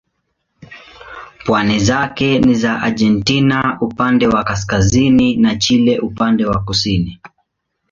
Pwani zake ni za Argentina upande wa kaskazini na Chile upande wa kusini.